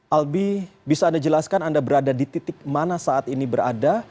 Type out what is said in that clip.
albi bisa anda jelaskan anda berada di titik mana saat ini berada